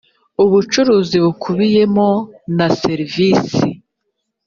ubucuruzi bukubiye mon a serivisi.